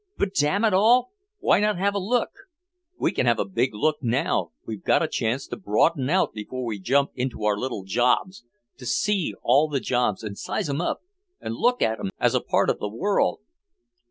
"But damn it all, why not have a look? We can have a big look now, we've got a chance to broaden out before we jump into our little jobs to see all the jobs and size 'em up and look at 'em as a part of the world!"